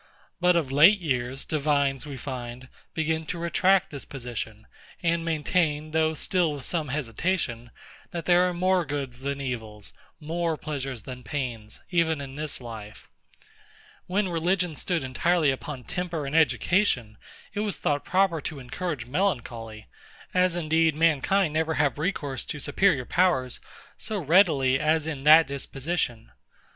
But of late years, divines, we find, begin to retract this position; and maintain, though still with some hesitation, that there are more goods than evils, more pleasures than pains, even in this life. When religion stood entirely upon temper and education, it was thought proper to encourage melancholy; as indeed mankind never have recourse to superior powers so readily as in that disposition.